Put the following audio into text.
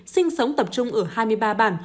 sinh sống tập trung ở hai mươi ba bảng